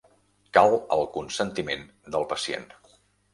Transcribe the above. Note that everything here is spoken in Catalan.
Cal el consentiment del pacient.